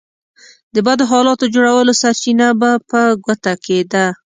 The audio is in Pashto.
د بدو حالاتو جوړولو سرچينه به په ګوته کېده.